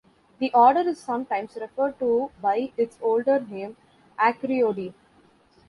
The order is sometimes referred to by its older name "Acreodi".